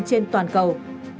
đến tháng một mươi